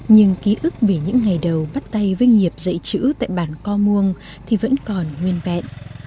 nhưng ký ức về những ngày đầu bắt tay với nghiệp dạy chữ tại bản co muông thì vẫn còn nguyên vẹn